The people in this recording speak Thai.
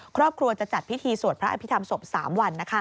ครอบครัวจะจัดพิธีสวดพระอภิษฐรรมศพ๓วัน